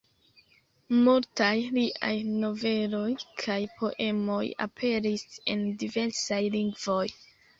Multaj liaj noveloj kaj poemoj aperis en diversaj lingvoj.